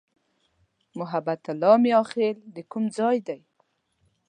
محبت الله "میاخېل" د کوم ځای دی؟